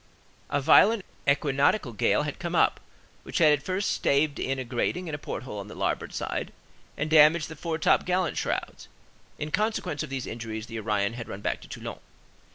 A violent equinoctial gale had come up, which had first staved in a grating and a porthole on the larboard side, and damaged the foretop gallant shrouds; in consequence of these injuries, the Orion had run back to Toulon.